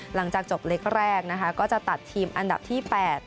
หลังจากจบเล็กแรกนะคะก็จะตัดทีมอันดับที่๘